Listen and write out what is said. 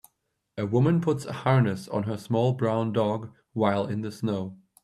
A woman puts a harness on her small brown dog while in the snow.